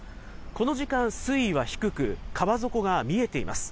この時間、水位は低く、川底が見えています。